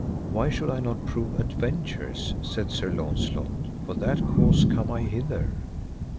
Why should I not prove adventures? said Sir Launcelot for that cause come I hither.